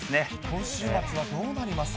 今週末はどうなりますか。